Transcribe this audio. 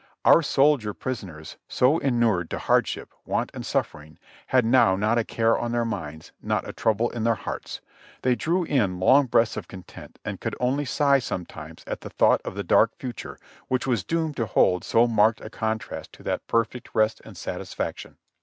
Our soldier prisoners, so inured to hard ship, want and suffering, had now not a care on their minds, not a trouble in their hearts ; they drew in long breaths of content and could only sigh sometimes at the thought of the dark future which was doomed to hold so marked a contrast to that perfect PRISON LIFE AT FORT WARREN 221 rest and satisfaction.